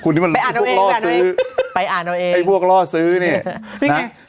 ไปอ่านเราเองให้พวกล่อซื้อเนี่ย